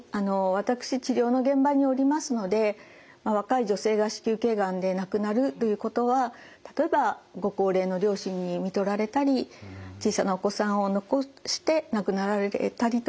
私治療の現場におりますので若い女性が子宮頸がんで亡くなるということは例えばご高齢の両親にみとられたり小さなお子さんを残して亡くなられたりということになります。